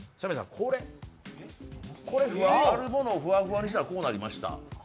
これ、あるものをフワフワにしたらこうなりました。